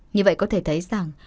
như vậy có thể thấy rằng